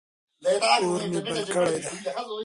اور مې بل کړی دی.